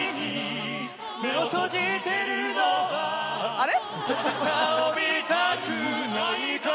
・あれ？